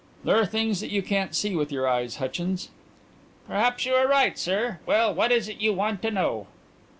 "There are things that you can't see with your eyes, Hutchins." "Perhaps you are right, sir. Well, what is it you want to know?"